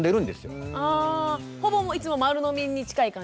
あほぼいつも丸飲みに近い感じ？